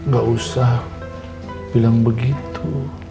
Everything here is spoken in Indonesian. gak usah bilang begitu